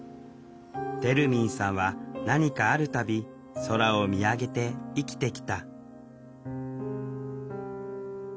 てるみんさんは何かあるたび空を見上げて生きてきた